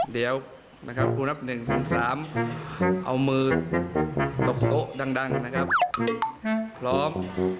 เดี๋ยวหนึ่งสี่สามเอามือตกโต๊ะดั่งพร้อม๑๓๓